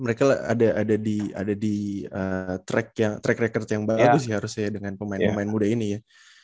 mereka ada di track record yang bagus sih harusnya dengan pemain pemain muda ini ya